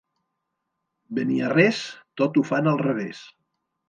Beniarrés, tot ho fan al revés.